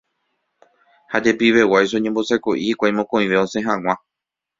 ha jepiveguáicha oñembosako'i hikuái mokõive osẽ hag̃ua